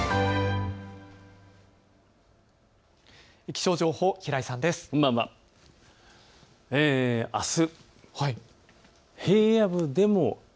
気象情報、平井さんです。